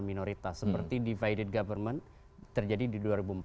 kemudian menjadi suara minoritas seperti divided government terjadi di dua ribu empat belas